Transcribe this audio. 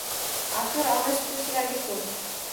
Axir, ona suti shirali-ku